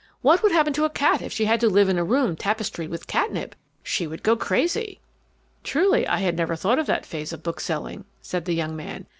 What would happen to a cat if she had to live in a room tapestried with catnip? She would go crazy!" "Truly, I had never thought of that phase of bookselling," said the young man.